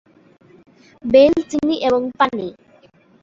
Bell, চিনি এবং পানি।